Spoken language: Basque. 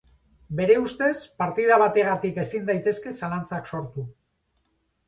Bere ustez, partida bategatik ezin daitezke zalantzak sortu.